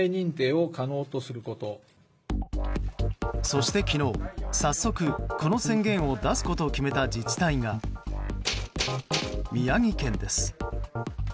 そして昨日、早速この宣言を出すことを決めた自治体が宮城県です。